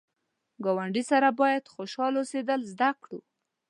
ګاونډي سره باید خوشحال اوسېدل زده کړو